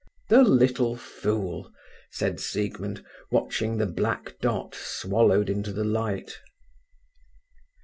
"The little fool!" said Siegmund, watching the black dot swallowed into the light.